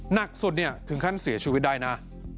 หนักสุดเนี่ยถึงขั้นเสียชีวิตได้นะ